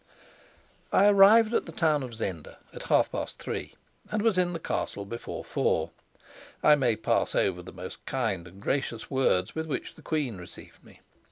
I arrived at the town of Zenda at half past three, and was in the castle before four. I may pass over the most kind and gracious words with which the queen received me.